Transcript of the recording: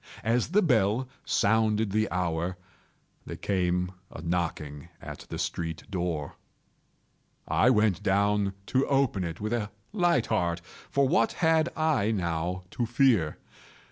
As the bell sounded the hour, there came a knocking at the street door. I went down to open it with a light heart,—for what had I now to fear?